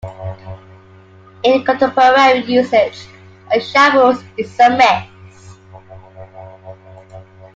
In contemporary usage, "a shambles" is a mess.